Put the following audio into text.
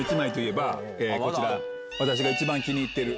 私が一番気に入ってる。